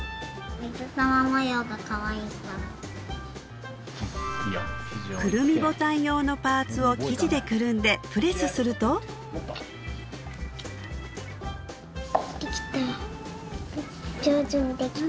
水玉模様がかわいいからくるみボタン用のパーツを生地でくるんでプレスするとできた！